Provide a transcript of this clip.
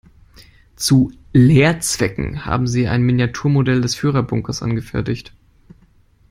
Zu Lehrzwecken haben sie ein Miniaturmodell des Führerbunkers angefertigt.